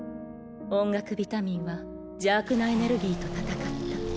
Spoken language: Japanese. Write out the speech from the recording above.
音楽ビタミンは邪悪なエネルギーと戦った。